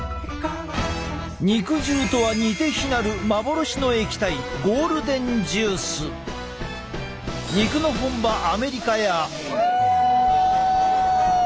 肉汁とは似て非なる幻の液体肉の本場アメリカや。